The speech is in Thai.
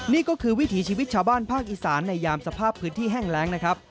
นี่ก็คือวิถีชีวิตชาวบ้านภาคอีสานในยามสภาพพื้นที่แห้งแรงนะครับ